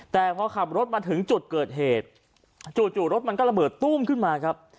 แต่พอขับรถมาถึงจุดเกิดเหตุจู่รถมันก็ระเบิดตู้มขึ้นมาครับ